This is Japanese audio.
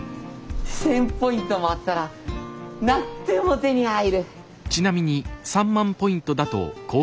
１，０００ポイントもあったら何でも手に入る。